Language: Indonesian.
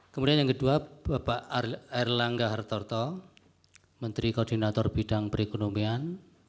kemudian yang kedua bapak erlangga hartarto menteri koordinator bidang perekonomian